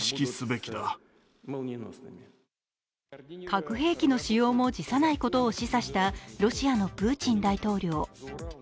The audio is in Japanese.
核兵器の使用も辞さないことを示唆したロシアのプーチン大統領。